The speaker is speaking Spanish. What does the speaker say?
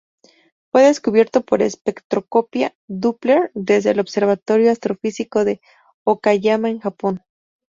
Fue descubierto por espectroscopia Doppler desde el Observatorio Astrofísico de Okayama en Japón.